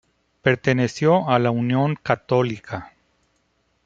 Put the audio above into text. Perteneció a la Unión Católica.